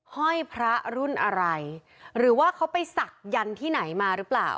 ห้อยพระรุ่นอะไรหรือว่าเขาไปศักดิ์ที่ไหนมาหรือเปล่า